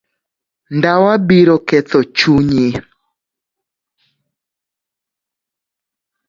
Ndawa biro ketho chunyi.